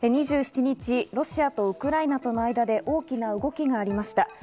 ２７日、ロシアとウクライナとの間で大きな動きがありました。